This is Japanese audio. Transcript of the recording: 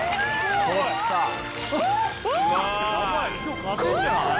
すごい。